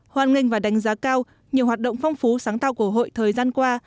hoan nghênh và đánh giá cao nhiều hoạt động phong phú sáng tạo của hội thời gian qua